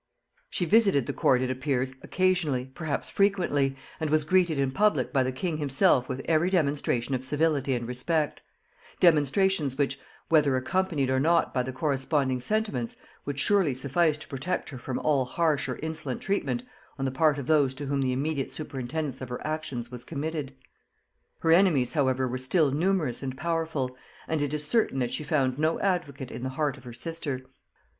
She visited the court, it appears, occasionally, perhaps frequently; and was greeted in public by the king himself with every demonstration of civility and respect; demonstrations which, whether accompanied or not by the corresponding sentiments, would surely suffice to protect her from all harsh or insolent treatment on the part of those to whom the immediate superintendance of her actions was committed. Her enemies however were still numerous and powerful; and it is certain that she found no advocate in the heart of her sister.